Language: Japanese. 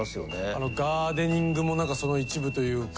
あのガーデニングもその一部というか。